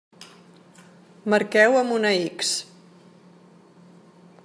Marqueu amb una X.